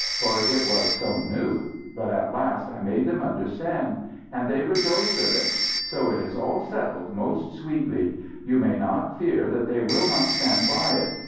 For it was so new. But at last I made them understand. And they rejoiced of it. So it is all settled most sweetly. You may not fear that they will not stand by it.